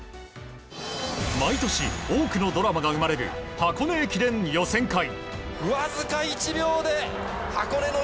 毎年、多くのドラマが生まれる箱根駅伝予選会。